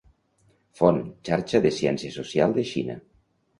"Font: Xarxa de Ciència Social de Xina".